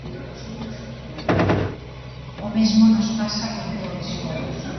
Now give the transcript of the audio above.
O mesmo nos pasa con todo.